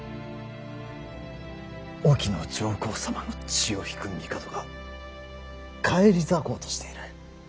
隠岐の上皇様の血を引く帝が返り咲こうとしている。